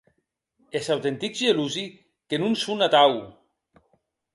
Es autentics gelosi que non son atau.